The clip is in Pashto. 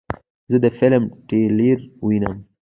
زه د فلم ټریلر وینم.